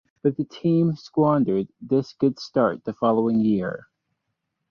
But the team squandered this good start the following year.